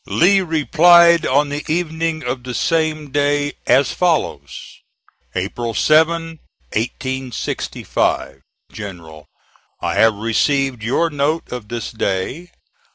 Lee replied on the evening of the same day as follows: April 7, 1865. GENERAL: I have received your note of this day.